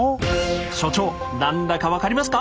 所長何だか分かりますか？